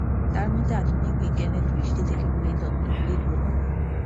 তাঁর মতে আধুনিক বিজ্ঞানের দৃষ্টিতে কেবল এই তত্ত্বগুলিই গ্রহণীয়।